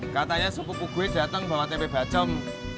katanya sepupu gue datang bawa tempe bacem